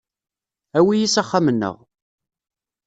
Awi-iyi s axxam-nneɣ.